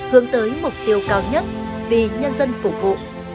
hướng tới mục tiêu cao nhất vì nhân dân phục vụ